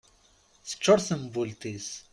Tecčur tembult-is